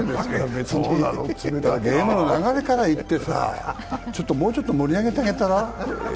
流れからいってさ、もうちょっと盛り上げてあげたら？